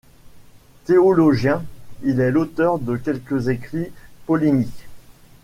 Théologien, il est l'auteur de quelques écrits polémiques.